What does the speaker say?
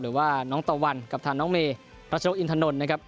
หรือว่าน้องตะวันกับทางน้องเมรัชนกอินทนนท์นะครับ